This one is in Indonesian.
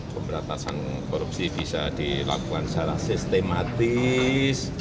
pemberantasan korupsi bisa dilakukan secara sistematis